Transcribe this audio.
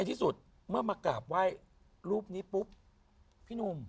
พี่ปุ๊บพี่หนุ่ม